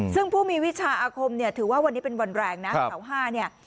ซึ่งผู้มีวิชาอาคมเนี่ยถือว่าวันนี้เป็นวันแรงนะเสาห้าเนี่ย